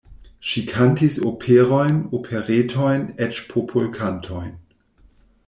Ŝi kantis operojn, operetojn, eĉ popolkantojn.